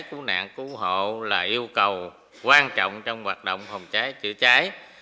cứu nạn cứu hộ là yêu cầu quan trọng trong hoạt động phòng cháy chữa cháy